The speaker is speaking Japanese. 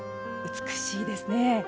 美しいですね。